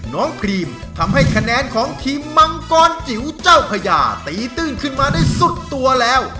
พรีมทำให้คะแนนของทีมมังกรจิ๋วเจ้าพญาตีตื้นขึ้นมาได้สุดตัวแล้ว